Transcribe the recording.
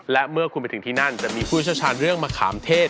และเมื่อคุณไปถึงที่นั่นจะมีผู้เชี่ยวชาญเรื่องมะขามเทศ